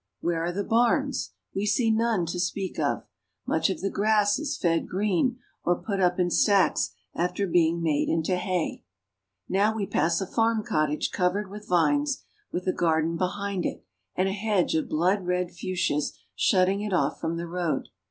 Where are the barns ? We see none to speak of. Much of the grass is fed green, or put up in stacks, after being Digging Potatoes. made into hay. Now we pass a farm cottage covered with vines, with a garden behind it, and a hedge of blood red fuchsias shutting it off from the road.